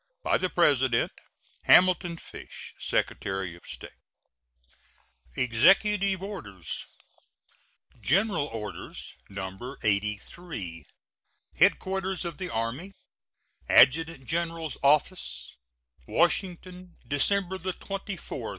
By the President: HAMILTON FISH, Secretary of State. EXECUTIVE ORDERS. GENERAL ORDERS, No. 83. HEADQUARTERS OF THE ARMY ADJUTANT GENERAL'S OFFICE, Washington, December 24, 1869.